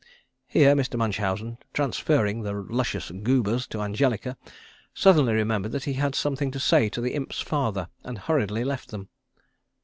Here Mr. Munchausen, transferring the luscious goobers to Angelica, suddenly remembered that he had something to say to the Imps' father, and hurriedly left them.